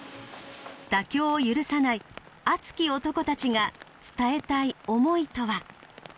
妥協を許さない熱き男たちが伝えたい思いとは。